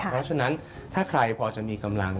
เพราะฉะนั้นถ้าใครพอจะมีกำลัง